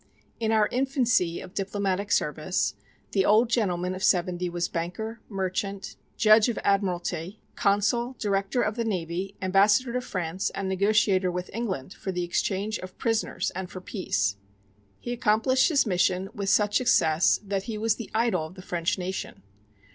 In our infancy of diplomatic service the old gentleman of seventy was banker, merchant, judge of admiralty, consul, director of the navy, ambassador to France, and negotiator with England for the exchange of prisoners and for peace. He accomplished his mission with such success that he was the idol of the French nation.